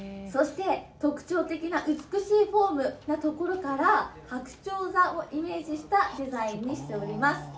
そして、特徴的な美しいフォームのところから、白鳥座をイメージしたデザインにしております。